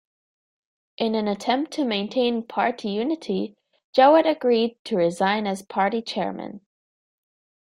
In an attempt to maintain party unity, Jowett agreed to resign as party Chairman.